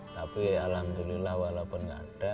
tapi alhamdulillah walaupun nggak ada